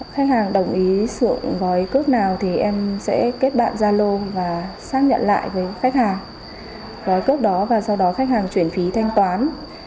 khách hàng đồng ý sưởng gói cước nào thì em sẽ kết bạn gia lô và xác nhận lại với khách hàng cước đó và sau đó khách hàng chuyển phí thanh toán